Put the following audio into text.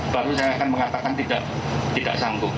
baru saya akan mengatakan tidak sanggup